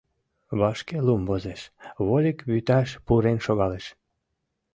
Вашке лум возеш, вольык вӱташ пурен шогалеш.